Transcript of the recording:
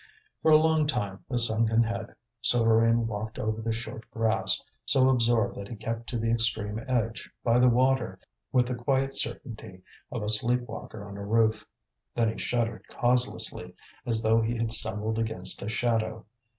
For a long time, with sunken head, Souvarine walked over the short grass, so absorbed that he kept to the extreme edge, by the water, with the quiet certainty of a sleep walker on a roof. Then he shuddered causelessly, as though he had stumbled against a shadow.